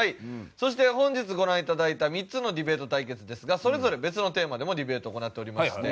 そして本日ご覧頂いた３つのディベート対決ですがそれぞれ別のテーマでもディベートを行っておりまして。